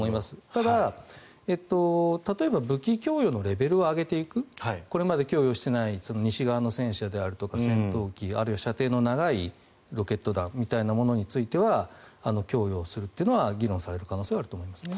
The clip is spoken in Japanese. ただ、例えば武器供与のレベルを上げていくこれまで供与していない西側の戦車であるとか戦闘機あるいは射程の長いロケット弾みたいなものについては供与をするというのは議論される可能性はあると思います。